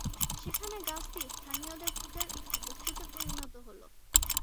সেখানে গাছটি স্থানীয়দের পূজার একটি বস্তুতে পরিণত হল।